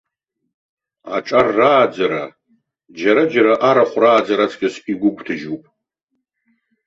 Аҿар рааӡара џьараџьара арахә рааӡара аҵкыс игәыгәҭажьуп.